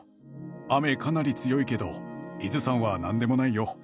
雨、かなり強いけど伊豆山は何でもないよ。